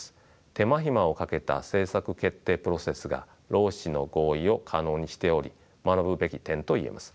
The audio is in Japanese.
手間暇をかけた政策決定プロセスが労使の合意を可能にしており学ぶべき点と言えます。